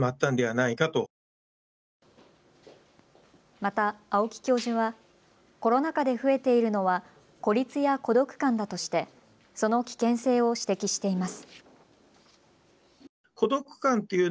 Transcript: また青木教授はコロナ禍で増えているのは孤立や孤独感だとしてその危険性を指摘しています。